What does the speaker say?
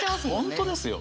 本当ですよ。